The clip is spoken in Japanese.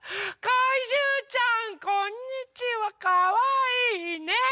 かいじゅうちゃんこんにちはかわいい。ね？